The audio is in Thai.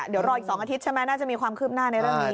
เดี๋ยวรออีก๒อาทิตย์ใช่ไหมน่าจะมีความคืบหน้าในเรื่องนี้